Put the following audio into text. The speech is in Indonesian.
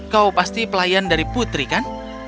kau pasti pelayan dari putri kan